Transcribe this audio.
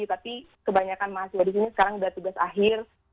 tapi kebanyakan mahasiswa di sini sekarang sudah tugas akhir